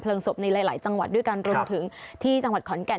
เพลิงศพในหลายหลายจังหวัดด้วยการรวมถึงที่จังหวัดขอนแก่น